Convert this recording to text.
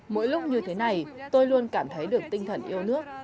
mỗi lúc như thế này tôi luôn cảm thấy được tinh thần yêu nước